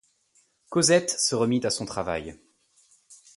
Cosette se remit à son travail.